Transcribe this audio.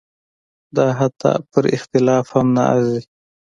دا حتی پر اختلاف هم نه ارزي.